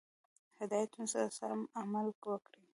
هدایتونو سره سم عمل وکړي.